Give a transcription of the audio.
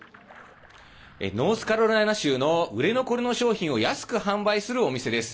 ノースカロライナ州の売れ残りの商品を安く販売するお店です。